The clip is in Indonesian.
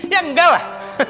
ya enggak lah